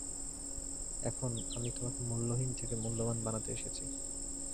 এখন, আমি তোমাকে মূল্যহীন থেকে মূল্যবান বানাতে এসেছি।